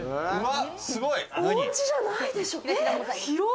おうちじゃないでしょ。